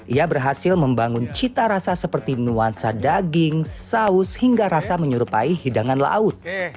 ia berhasil membangun cita rasa seperti nuansa daging saus hingga rasa menyerupai hidangan laut